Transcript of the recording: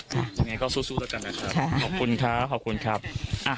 ค่ะยังไงก็สู้สู้ด้วยกันนะครับค่ะขอบคุณครับขอบคุณครับอ่ะ